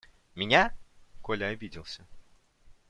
– Меня? – Коля обиделся.